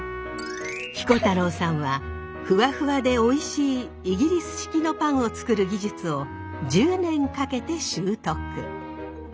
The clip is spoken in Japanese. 彦太郎さんはフワフワでおいしいイギリス式のパンを作る技術を１０年かけて習得。